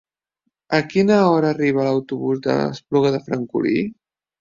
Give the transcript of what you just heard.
A quina hora arriba l'autobús de l'Espluga de Francolí?